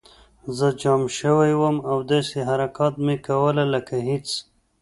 زه جام شوی وم او داسې حرکات مې کول لکه هېڅ